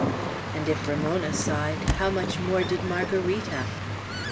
And if Ramona saw it, how much more did Margarita!